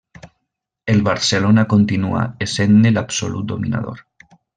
El Barcelona continuà essent-ne l'absolut dominador.